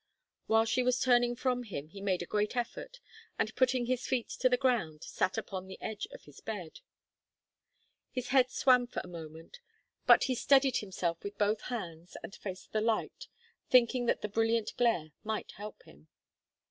While she was turning from him he made a great effort, and putting his feet to the ground, sat upon the edge of his bed. His head swam for a moment, but he steadied himself with both hands and faced the light, thinking that the brilliant glare might help him.